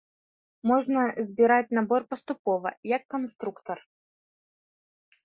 Можна збіраць набор паступова, як канструктар.